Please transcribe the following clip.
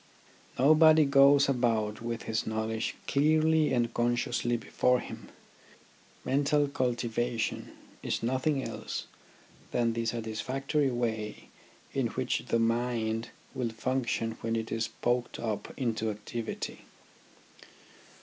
Nobody goes about with his knowledge clearly and consciously before him. Mental cultivation is nothing else than the satisfactory way in which the mind will function when it is poked up into activity.